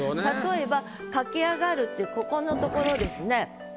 例えば「駆け上がる」っていうここのところですね。